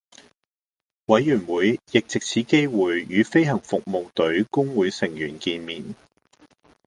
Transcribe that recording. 委員會亦藉此機會與飛行服務隊工會成員會面